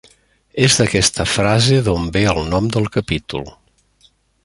És d'aquesta frase d'on ve el nom del capítol.